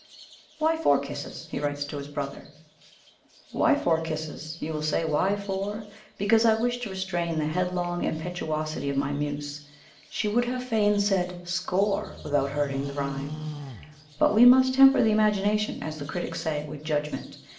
"Why four kisses?" he writes to his brother: Why four kisses you will say why four? Because I wish to restrain the headlong impetuosity of my Muse she would have fain said "score" without hurting the rhyme but we must temper the imagination, as the critics say, with judgment.